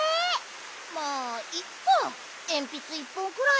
まあいっかえんぴつ１ぽんくらい。